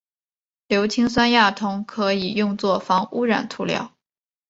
硫氰酸亚铜可以用作防污涂料。